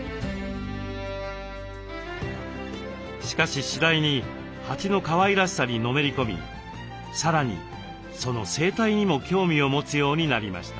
しかし次第に蜂のかわいらしさにのめり込みさらにその生態にも興味を持つようになりました。